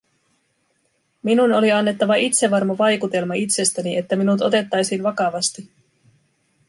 Minun oli annettava itsevarma vaikutelma itsestäni, että minut otettaisiin vakavasti.